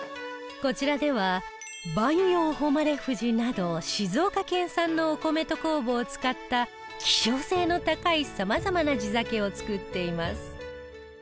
こちらでは萬燿誉富士など静岡県産のお米と酵母を使った希少性の高い様々な地酒を造っています